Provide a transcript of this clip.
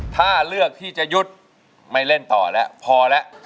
ถ้าเลือกที่จะหยุดไม่เล่นต่อแล้วพอแล้ว